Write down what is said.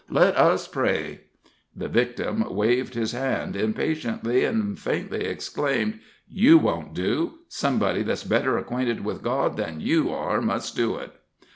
Let us pray." The victim waived his hand impatiently, and faintly exclaimed: "You won't do; somebody that's better acquainted with God than you are must do it."